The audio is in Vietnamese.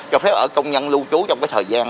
cho phép ở công nhân lưu trú trong cái thời gian